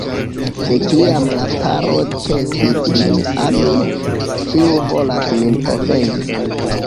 De kiam la caro ĉesis min ami, ĉiu volas min ofendi!